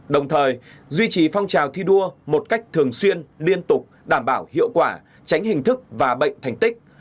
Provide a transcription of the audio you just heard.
đồng thời duy trì phong trào thi đua một cách thường xuyên liên tục đảm bảo hiệu quả tránh hình thức và bệnh thành tích